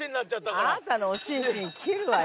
あなたのおちんちん切るわよ。